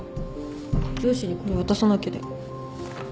上司にこれ渡さなきゃで。